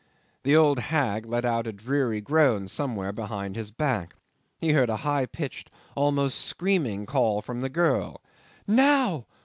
The old hag let out a dreary groan somewhere behind his back. He heard a high pitched almost screaming call from the girl. "Now!